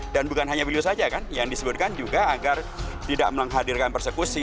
dan bukan hanya beliau saja kan yang disebutkan juga agar tidak menghadirkan persekusi